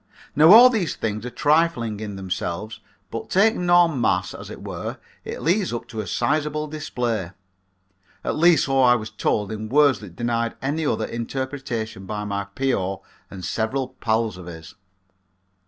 Now all of these things are trifling in themselves, but taken en mass, as it were, it leads up to a sizable display; at least, so I was told in words that denied any other interpretation by my P.O. and several pals of his.